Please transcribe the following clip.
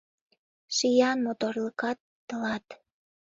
Шиян моторлыкат — тылат.